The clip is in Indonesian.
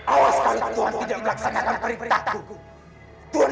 awas kalau tuhan tidak melaksanakan perintah tuhan